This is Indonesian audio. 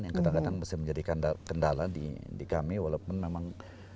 yang kadang kadang bisa menjadi kendala di kami walaupun memang